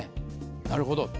なるほど。